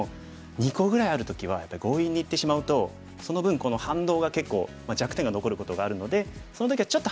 ２個ぐらいある時はやっぱり強引にいってしまうとその分この反動が結構弱点が残ることがあるのでその時はちょっと離して。